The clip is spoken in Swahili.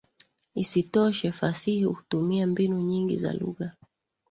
Isitoshe, fasihi hutumia mbinu nyingi za lugha.